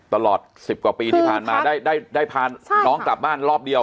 ตลอด๑๐กว่าปีที่ผ่านมาได้พาน้องกลับบ้านรอบเดียว